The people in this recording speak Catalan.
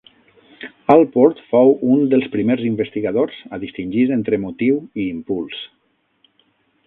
Allport fou un dels primers investigadors a distingir entre motiu i impuls.